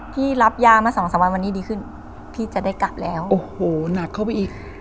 พี่รับยามาสองสามวันวันนี้ดีขึ้นพี่จะได้กลับแล้วโอ้โหหนักเข้าไปอีก